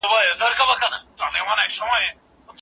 اوږدې کیسې ورته سختې وې.